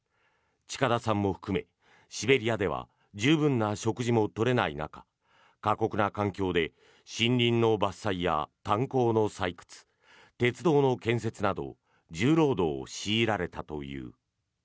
近田さんも含めシベリアでは十分な食事も取れない中過酷な環境で森林の伐採や炭鉱の採掘鉄道の建設など重労働を強いられたという。